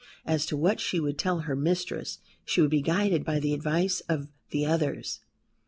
As to what she would tell her mistress she would be guided by the advice of the others.